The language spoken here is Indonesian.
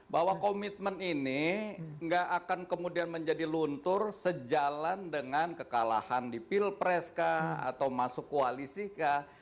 bahwa komitmen ini nggak akan kemudian menjadi luntur sejalan dengan kekalahan di pilpres kah atau masuk koalisi kah